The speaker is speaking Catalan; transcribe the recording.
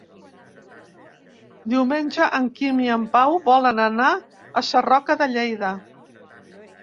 Diumenge en Quim i en Pau volen anar a Sarroca de Lleida.